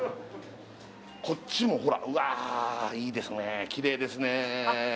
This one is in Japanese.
こっちもほらうわいいですねキレイですね